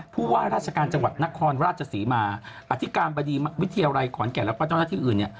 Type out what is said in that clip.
ผู้ว่าราชการจังหวัดนครราชศรีมาอธิการบดีวิทยาลัยขอนแก่นแล้วก็เจ้าหน้าที่อื่นเนี่ย